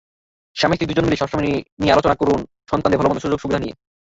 স্বামী-স্ত্রী দুজনে মিলে সময় নিয়ে আলোচনা করুন সন্তানদের ভালোমন্দ, সুযোগ-সুবিধা নিয়ে।